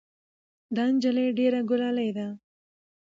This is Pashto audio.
دا نجلۍ ډېره ګلالۍ ده.